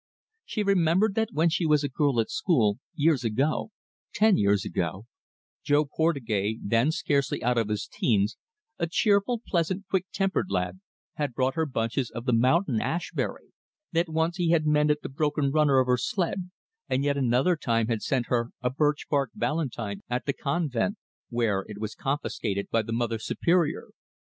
She remembered that when she was a girl at school, years ago ten years ago Jo Portugais, then scarcely out of his teens, a cheerful, pleasant, quick tempered lad, had brought her bunches of the mountain ash berry; that once he had mended the broken runner of her sled; and yet another time had sent her a birch bark valentine at the convent, where it was confiscated by the Mother Superior.